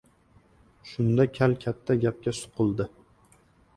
Shunda kal katta gapga suqildi.